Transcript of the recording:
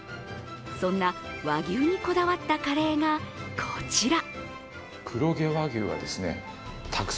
そんな和牛にこだわったカレーがこちら。